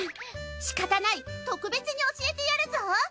しかたない特別に教えてやるぞ！